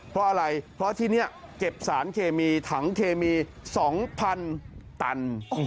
เพราะอะไรเพราะที่นี่เก็บสารเคมีถังเคมี๒๐๐๐ตัน